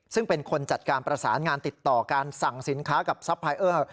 ซึ่งเป็นคนจัดการประสานงานติดต่อการสั่งสินค้ากับซัพพายเออร์